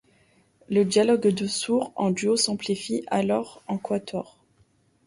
Le dialogue de sourd en duo s'amplifie alors en quatuor.